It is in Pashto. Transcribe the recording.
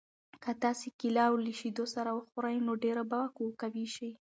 که تاسي کیله له شیدو سره وخورئ نو ډېر به قوي شئ.